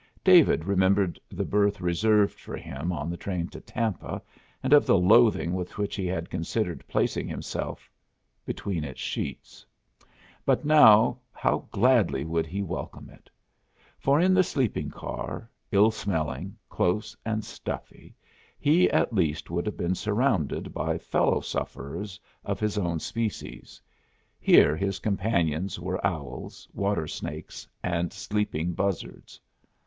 David remembered the berth reserved for him on the train to Tampa and of the loathing with which he had considered placing himself between its sheets. But now how gladly would he welcome it! For, in the sleeping car, ill smelling, close and stuffy, he at least would have been surrounded by fellow sufferers of his own species. Here his companions were owls, water snakes, and sleeping buzzards.